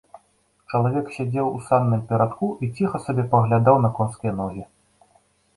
Чалавек сядзеў у санным перадку і ціха сабе паглядаў на конскія ногі.